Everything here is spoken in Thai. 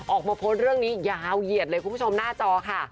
ออกมาโพสต์เรื่องนี้ยาวเหยียดเลยคุณผู้ชมหน้าจอค่ะ